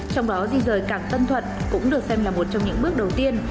trong đó di rời cảng tân thuận cũng được xem là một trong những bước đầu tiên